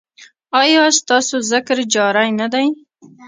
ایا ستاسو ذکر جاری نه دی؟